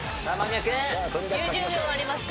９０秒ありますから。